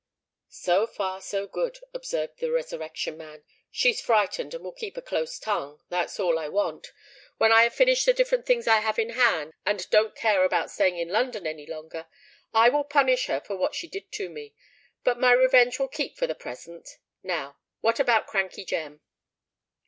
"So far, so good," observed the Resurrection Man. "She's frightened, and will keep a close tongue. That's all I want. When I have finished the different things I have in hand, and don't care about staying in London any longer, I will punish her for what she did to me. But my revenge will keep for the present. Now, what about Crankey Jem?"